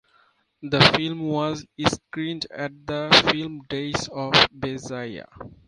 The film was screened at the film days of Bejaia.